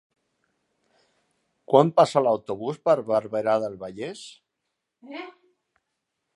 Quan passa l'autobús per Barberà del Vallès?